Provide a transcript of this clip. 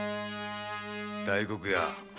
大黒屋。